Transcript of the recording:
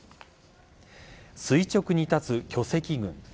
垂直に立つ巨石群。